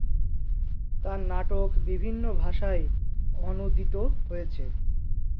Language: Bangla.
তাঁর নাটক বিভিন্ন ভাষায় অনূদিত হয়েছে।